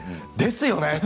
ですよね！